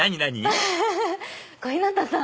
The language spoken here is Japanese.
小日向さん！